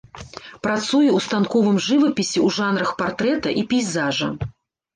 Працуе ў станковым жывапісе ў жанрах партрэта і пейзажа.